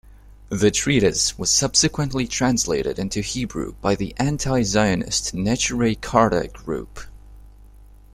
The treatise was subsequently translated into Hebrew by the Anti-Zionist Neturei Karta group.